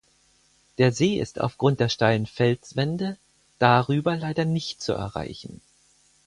Der See ist aufgrund der steilen Felswände darüber leider nicht zu erreichen.